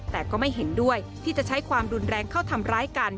แต่ก็ไม่เห็นด้วยที่จะใช้ความรุนแรงเข้าทำร้ายกัน